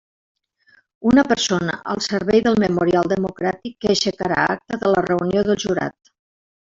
Una persona al servei del Memorial Democràtic, que aixecarà acta de la reunió del jurat.